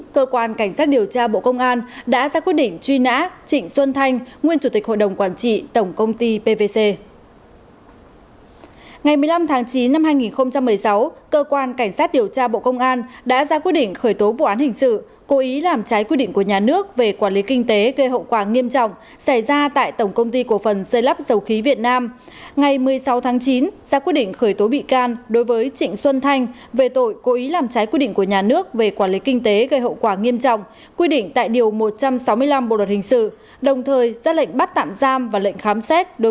cảnh sát điều tra bộ công an đang thụ lý điều tra vụ án cố ý làm trái quy định của nhà nước gây hậu quả nghiêm trọng xảy ra tại tổng công ty cổ phần xây lắp sầu khí việt nam tổng công ty pwc